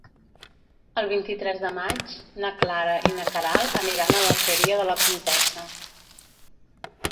El vint-i-tres de maig na Clara i na Queralt aniran a l'Alqueria de la Comtessa.